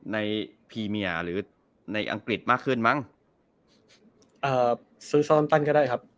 พรีเมียหรือในอังกฤษมากขึ้นมั้งเอ่อซื้อซ่อนตันก็ได้ครับ